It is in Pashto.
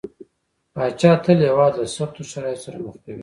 پاچا تل هيواد له سختو شرايطو سره مخ کوي .